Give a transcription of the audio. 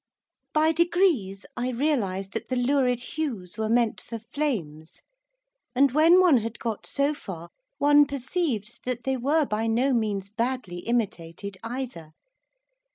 By degrees, I realised that the lurid hues were meant for flames, and, when one had got so far, one perceived that they were by no means badly imitated either.